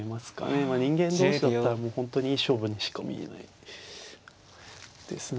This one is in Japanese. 人間同士だったら本当にいい勝負にしか見えないですね。